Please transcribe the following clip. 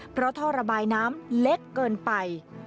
เพราะท่อระบายน้ำเล็กเกินไป